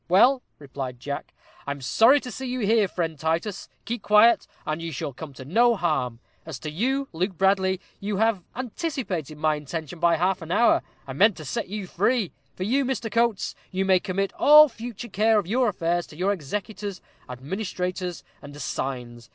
"Well," replied Jack, "I'm sorry to see you here, friend Titus. Keep quiet, and you shall come to no harm. As to you, Luke Bradley, you have anticipated my intention by half an hour; I meant to set you free. For you, Mr. Coates, you may commit all future care of your affairs to your executors, administrators, and assigns.